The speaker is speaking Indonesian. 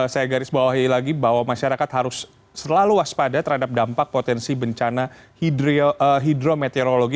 saya garis bawahi lagi bahwa masyarakat harus selalu waspada terhadap dampak potensi bencana hidrometeorologi